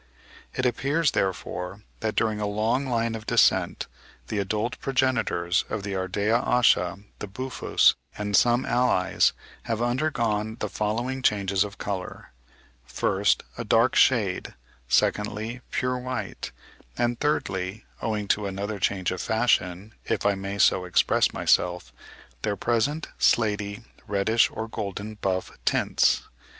It appears therefore that, during a long line of descent, the adult progenitors of the Ardea asha, the Buphus, and of some allies, have undergone the following changes of colour: first, a dark shade; secondly, pure white; and thirdly, owing to another change of fashion (if I may so express myself), their present slaty, reddish, or golden buff tints.